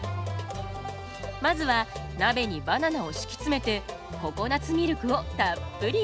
まずは鍋にバナナを敷き詰めてココナツミルクをたっぷり入れる。